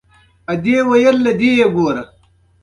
افغانستان له د ریګ دښتې ډک دی.